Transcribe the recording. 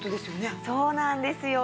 そうなんですよ。